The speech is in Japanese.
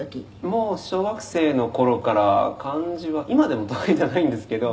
「もう小学生の頃から漢字は今でも得意じゃないんですけど」